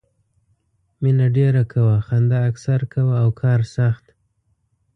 مینه ډېره کوه، خندا اکثر کوه او کار سخت.